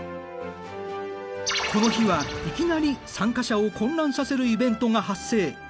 この日はいきなり参加者を混乱させるイベントが発生。